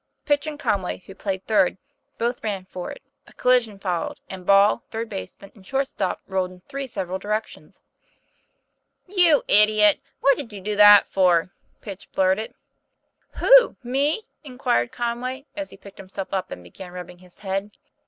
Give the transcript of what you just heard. Pitch, and Conway, who played third, both ran for it; a collision followed, and ball, third baseman, and short stop rolled in three several directions. "You idiot! What did you do that for?" Pitch blurted. TOM PL A YF AIR. 215 "Who? me?" inquired Conway, as he picked him self up and began rubbing his head.